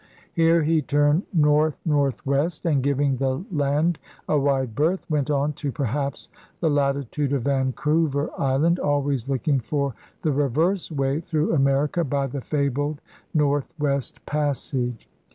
Here he turned north north west and, giving the land a wide berth, went on to perhaps the latitude of Vancouver Island, always looking for the reverse way through America by the fabled Northwest Passage.